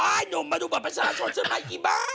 หนุ่มมาดูบัตรประชาชนใช่ไหมอีบ้า